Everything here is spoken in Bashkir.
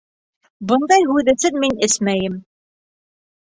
Бындай һүҙ өсөн мин эсмәйем!